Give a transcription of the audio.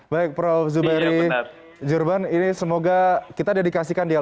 baik prof zubairi